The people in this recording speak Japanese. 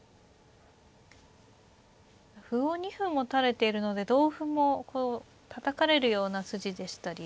歩を２歩持たれているので同歩もたたかれるような筋でしたり。